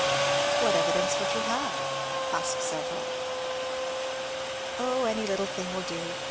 " What evidence would you have ?" asked several. ^^ Oh, any little thing will do.